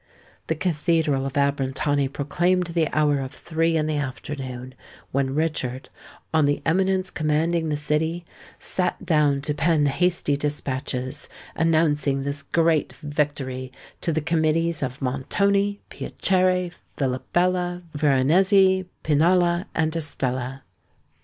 The Cathedral of Abrantani proclaimed the hour of three in the afternoon, when Richard, on the eminence commanding the city, sate down to pen hasty dispatches, announcing this great victory to the Committees of Montoni, Piacere, Villabella, Veronezzi, Pinalla, and Estella.